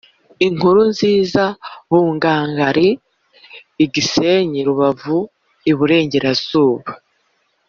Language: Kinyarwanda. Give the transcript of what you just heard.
Inkurunziza mbugangari gisenyirubavu iburengerazuba